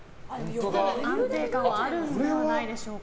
安定感があるのではないでしょうか。